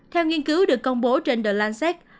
theo nghiên cứu được công bố trên the lancet